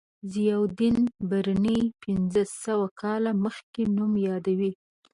ضیاءالدین برني پنځه سوه کاله مخکې نوم یادوي.